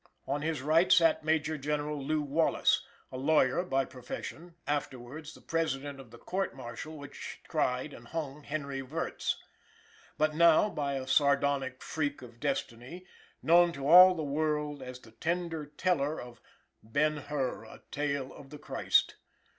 On his right sat Major General Lew Wallace, a lawyer by profession; afterwards the President of the Court Martial which tried and hung Henry Wirz; but now, by a sardonic freak of destiny, known to all the world as the tender teller of "Ben Hur, a Tale of the Christ."